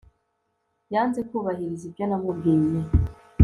yanze kubahiriza ibyo namubwiye